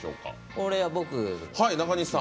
これは僕。